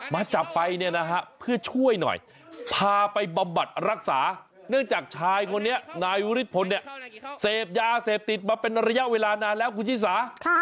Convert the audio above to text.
มาจับไปเนี่ยนะฮะเพื่อช่วยหน่อยพาไปบำบัดรักษา